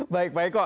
baik pak eko